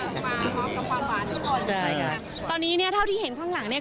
กับความหวานทุกคนใช่ครับตอนนี้เนี่ยเท่าที่เห็นข้างหลังเนี่ย